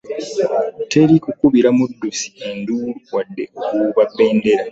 Teri kukubira muddusi enduulu wadde okuwuuba bendera